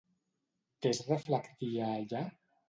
Què es reflectia allà?